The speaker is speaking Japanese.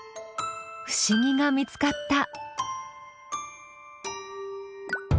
不思議が見つかった。